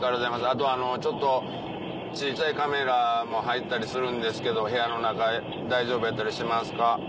あとあのちょっと小ちゃいカメラも入ったりするんですけど部屋の中大丈夫やったりしますか？